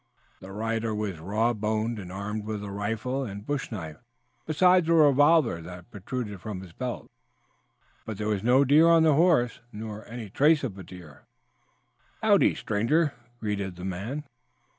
The rider was raw boned and armed with rifle and bush knife, besides a revolver that protruded from his belt. But there was no deer on the horse, nor any trace of a deer. "Howdy, stranger," greeted the man.